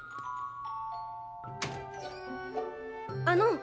あの。